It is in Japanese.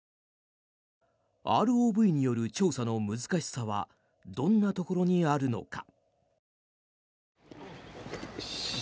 ＲＯＶによる調査の難しさはどんなところにあるのか。